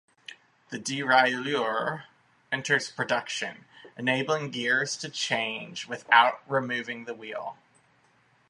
The derailleur enters production, enabling gears to change without removing the wheel.